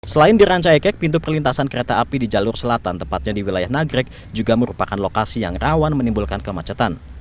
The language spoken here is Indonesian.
selain di rancaikek pintu perlintasan kereta api di jalur selatan tepatnya di wilayah nagrek juga merupakan lokasi yang rawan menimbulkan kemacetan